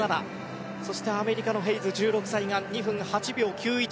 そしてアメリカのヘイズ１６歳が２分８秒